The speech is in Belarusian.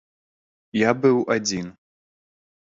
Я быў адзiн.